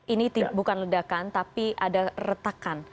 ini bukan ledakan tapi ada retakan